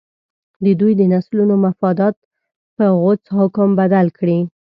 د دوی د نسلونو مفادات په غوڅ حکم بدل کړي.